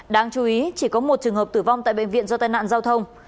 đáng chú ý chỉ có một trường hợp tử vong tại bệnh viện do tai nạn giao thông